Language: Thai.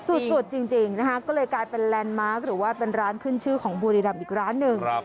สุดจริงนะคะก็เลยกลายเป็นแลนด์มาร์คหรือว่าเป็นร้านขึ้นชื่อของบุรีรำอีกร้านหนึ่ง